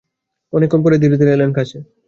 অনেকক্ষণ পরে ধীরে ধীরে এলেন কাছে।